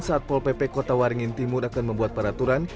saat pol pp kota waringin timur akan membuat peraturan